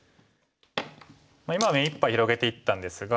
今は目いっぱい広げていったんですが。